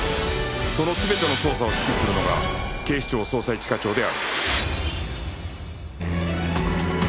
その全ての捜査を指揮するのが警視庁捜査一課長である